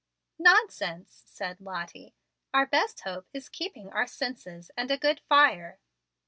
"Nonsense!" said Lottie. "Our best hope is keeping our senses and a good fire."